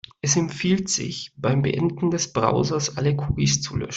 Es empfiehlt sich, beim Beenden des Browsers alle Cookies zu löschen.